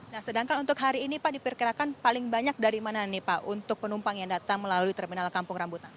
nah sedangkan untuk hari ini pak diperkirakan paling banyak dari mana nih pak untuk penumpang yang datang melalui terminal kampung rambutan